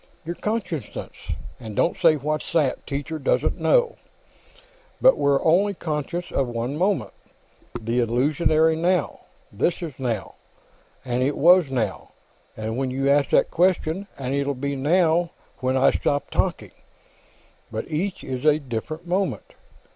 "Your consciousness. And don't say, 'What's that?' Teacher doesn't know. But we're only conscious of one moment; the illusory now. This is 'now,' and it was 'now' when you asked that question, and it'll be 'now' when I stop talking, but each is a different moment.